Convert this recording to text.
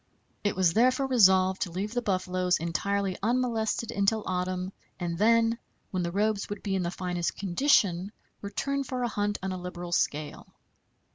It was therefore resolved to leave the buffaloes entirely unmolested until autumn, and then, when the robes would be in the finest condition, return for a hunt on a liberal scale.